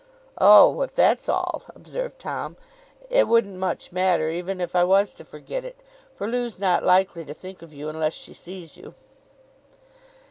'Oh! If that's all,' observed Tom, 'it wouldn't much matter, even if I was to forget it, for Loo's not likely to think of you unless she sees you.